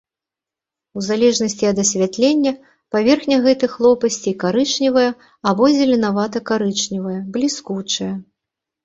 У залежнасці ад асвятлення паверхня гэтых лопасцей карычневая або зеленавата-карычневая, бліскучая.